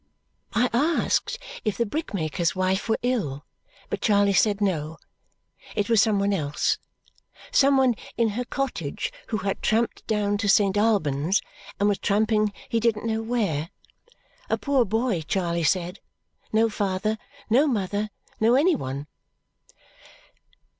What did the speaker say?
I asked if the brickmaker's wife were ill, but Charley said no. It was some one else. Some one in her cottage who had tramped down to Saint Albans and was tramping he didn't know where. A poor boy, Charley said. No father, no mother, no any one.